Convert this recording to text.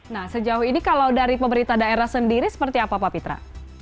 nah sejauh ini kalau dari pemerintah daerah sendiri seperti apa pak pitra